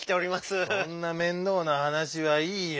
そんな面倒なはなしはいいよ。